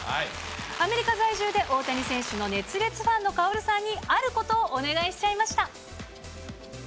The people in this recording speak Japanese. アメリカ在住で大谷選手の熱烈ファンのカオルさんに、あることをお願いしちゃいました。